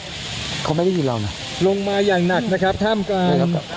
ได้ว่ามีฝนที่กำลังตกลงมาอย่างหนักนะครับท่ามกลาง